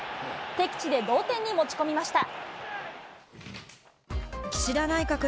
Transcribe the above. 敵地で同点に持ち込みました。